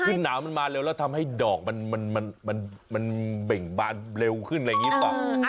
คือหนาวมันมาเร็วแล้วทำให้ดอกมันเบ่งบานเร็วขึ้นอะไรอย่างนี้เปล่า